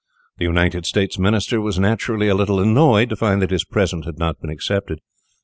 The United States Minister was naturally a little annoyed to find that his present had not been accepted.